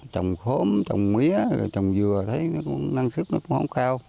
trồng khốm trồng mía trồng dừa thấy năng sức nó cũng không cao